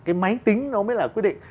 cái máy tính nó mới là quyết định